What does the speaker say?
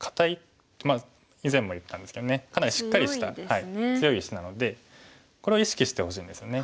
以前も言ったんですけどねかなりしっかりした強い石なのでこれを意識してほしいんですね。